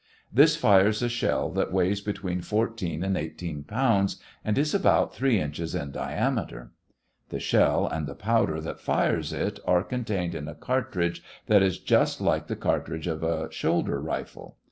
This fires a shell that weighs between fourteen and eighteen pounds and is about three inches in diameter. The shell and the powder that fires it are contained in a cartridge that is just like the cartridge of a shoulder rifle.